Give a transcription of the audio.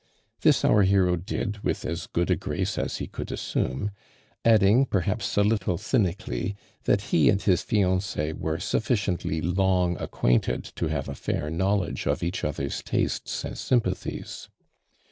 This our hero did with as good a grace as he could assume, adding, perhaps a little cynically, that he and his /¥«H<r'e were sufficiently long acquainted to have a fair knowledge of each other's tastes and sym pathies."